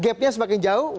gapnya semakin jauh